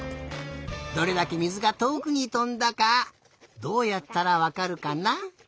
どれだけ水がとおくにとんだかどうやったらわかるかな？